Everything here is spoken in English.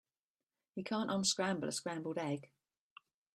You can't unscramble a scrambled egg.